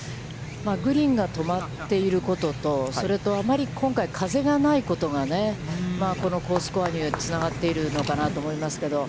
グリーンが止まっていることと、それとあまり今回、風がないことがこの好スコアにつながっているのかなと思いますけど。